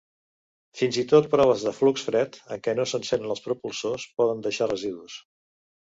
Fins i tot proves de flux fred, en què no s'encenen els propulsors, poden deixar residus.